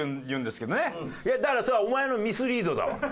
だからそれはお前のミスリードだわ。